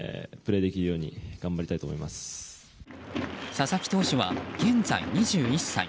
佐々木投手は現在２１歳。